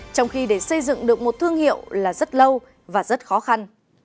trong khi để xây dựng được một thương hiệu là rất lâu và rất khó khăn